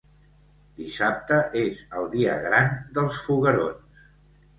Dissabte és el dia gran dels foguerons.